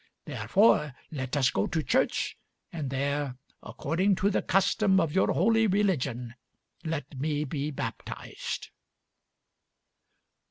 Therefore let us go to church, and there according to the custom of your holy religion let me be baptized."